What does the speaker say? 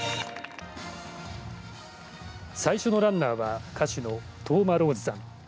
最初のランナーは歌手の當間ローズさん。